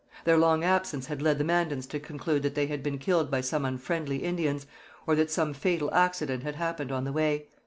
Their long absence had led the Mandans to conclude that they had been killed by some unfriendly Indians, or that some fatal accident had happened on the way.